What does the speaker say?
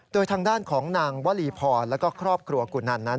โดยทางด้านของนางวลีพรแล้วก็ครอบครัวกุนันนั้น